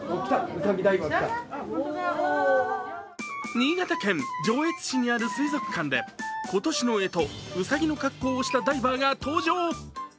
新潟県上越市にある水族館で、今年のえと、うさぎの格好をしたダイバーが登場。